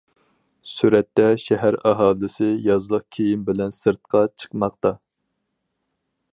سۈرەتتە: شەھەر ئاھالىسى يازلىق كىيىم بىلەن سىرتقا چىقماقتا.